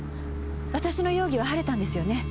私の容疑は晴れたんですよね？